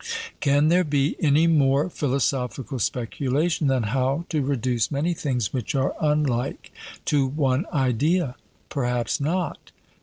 Can there be any more philosophical speculation than how to reduce many things which are unlike to one idea? 'Perhaps not.'